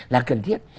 là cần thiết